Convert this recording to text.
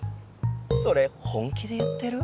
それ本気で言ってる？